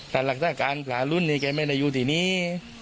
แต่หลักศาสตร์การณ์หลายรุ่นนี้แกไม่ได้อยู่ที่นี้